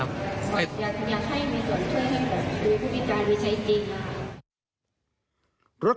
อยากให้มีส่วนเข้าให้วิธีชายชัยจริง